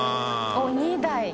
おっ２台。